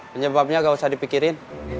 penyebabnya gak usah dipikirin